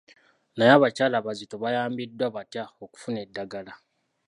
Naye abakyala abazito bayambiddwa batya okufuna eddagala?